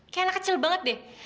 kayak anak kecil banget deh